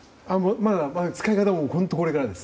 まだ使い方も本当にこれからです。